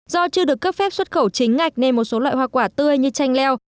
do chưa được cấp phép xuất khẩu chính ngạch nên một số loại hoa quả tươi như chanh leo